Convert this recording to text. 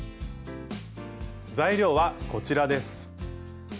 材料はこちらです。